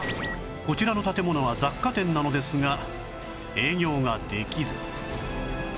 こちらの建物は雑貨店なのですが営業ができず